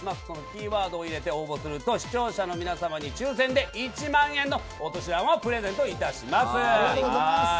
そのキーワードを入れて応募すると視聴者の皆様に抽選で１万円のお年玉をプレゼント致します。